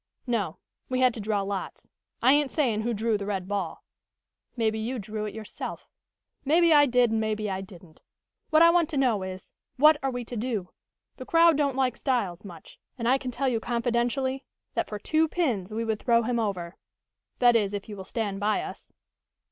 "No. We had to draw lots. I ain't saying who drew the red ball." "Maybe you drew it yourself." "Maybe I did and maybe I didn't. What I want to know is: What are we to do? The crowd don't like Styles much, and I can tell you confidentially, that for two pins we would throw him over that is, if you will stand by us."